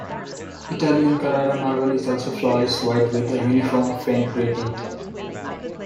Italian Carrara marble is also flawless white with a uniform faint grey tint.